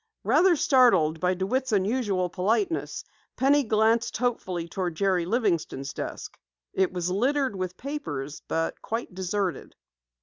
Rather startled by DeWitt's unusual politeness, Penny glanced hopefully toward Jerry Livingston's desk. It was littered with papers, but quite deserted.